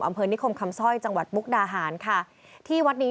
อำเพลิงนิคมคำซอยจังหวัดมุกดาหารที่วัดนี้